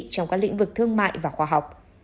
trong các lĩnh vực thương mại và khoa học